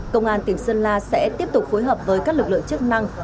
công an tỉnh sơn la sẽ tiếp tục phối hợp với các lực lượng chức năng